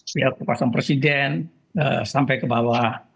pihak kepasang presiden sampai ke bawah